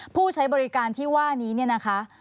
ผู้ใช้บริการที่ว่านี้เนี่ยนะคะ